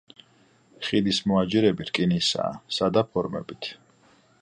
ხიდის მოაჯირები რკინისაა, სადა ფორმებით.